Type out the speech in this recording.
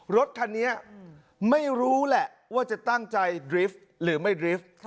รถคันนี้ไม่รู้แหละว่าจะตั้งใจดรีฟหรือไม่ดรีฟ